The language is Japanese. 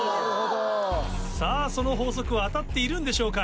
さぁその法則は当たっているんでしょうか？